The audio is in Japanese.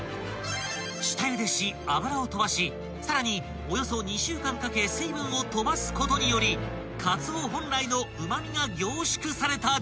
［下ゆでし脂を飛ばしさらにおよそ２週間かけ水分を飛ばすことによりかつお本来のうま味が凝縮された状態に］